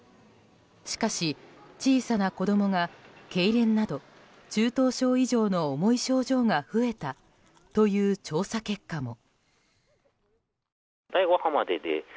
しかし小さな子供がけいれんなど、中等症以上の重い症状が増えたという調査結果も。